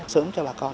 sớm cho bà con